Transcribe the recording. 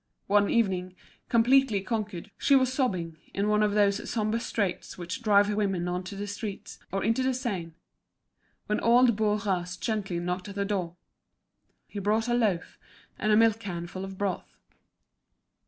One evening, completely conquered, she was sobbing, in one of those sombre straits which drive women on to the streets, or into the Seine, when old Bourras gently knocked at the door. He brought a loaf, and a milk can full of broth.